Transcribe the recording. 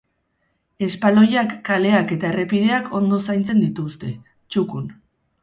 Espaloiak, kaleak eta errepideak ondo zaintzen dituzte, txukun.